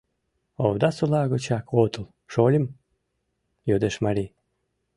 — Овдасола гычак отыл, шольым? — йодеш марий.